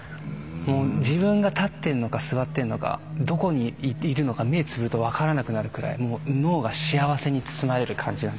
自分が立ってんのか座ってんのかどこにいるのか目つぶると分からなくなるくらい脳が幸せに包まれる感じ